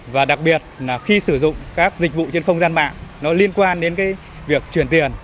và đặc biệt là khi sử dụng các dịch vụ trên không gian mạng nó liên quan đến việc truyền tiền